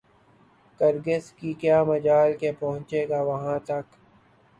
کرگس کی کیا مجال کہ پہنچے گا وہاں تک